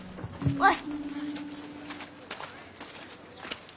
おい！